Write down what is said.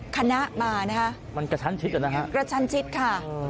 คณะมานะคะมันกระชั้นชิดอ่ะนะฮะกระชั้นชิดค่ะ